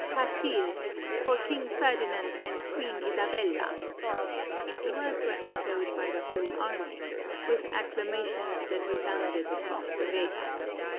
Castile! For King Ferdinand and Queen Isabella!" The words were echoed by the whole army, with acclamations that re 462 THE SURRENDER OF GRANADA sounded across the vega.